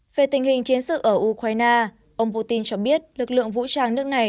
về tình hình chiến sự ở ukraine ông putin cho biết lực lượng vũ trang nước này